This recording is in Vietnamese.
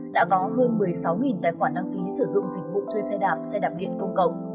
đã có hơn một mươi sáu tài khoản đăng ký sử dụng dịch vụ thuê xe đạp xe đạp điện công cộng